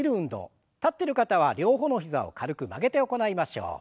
立ってる方は両方の膝を軽く曲げて行いましょう。